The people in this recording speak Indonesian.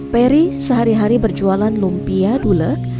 peri sehari hari berjualan lumpia dulek